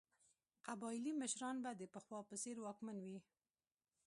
قبایلي مشران به د پخوا په څېر واکمن وي.